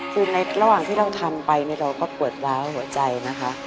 คือในระหว่างที่เราทำไปเราก็ปวดร้าวหัวใจนะคะ